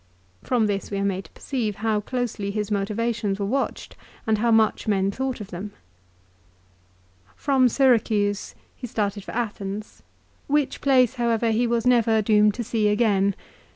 From this we are made to perceive how closely his motions were watched, and how much men thought of them. From Syra cuse he started for Athens, which place however he was CESAR'S DEATH. 227 never doomed to see again.